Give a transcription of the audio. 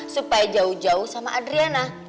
supaya jauh jauh sama adriana